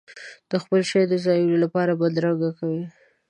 د خپل شي د ځایولو لپاره بدرګه کوي.